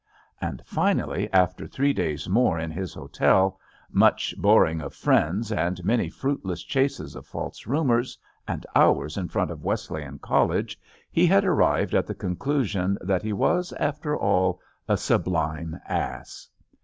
And, finally, after three days more in his hotel, much boring of friends and many fruit \ g^ JUST SWEETHEARTS less chases of false rumors, and hours in front of Wesley an College, he had arrived at the conclusion that he was^ after all, a sublime ass.